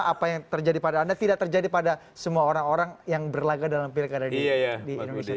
apa yang terjadi pada anda tidak terjadi pada semua orang orang yang berlagak dalam pilkada di indonesia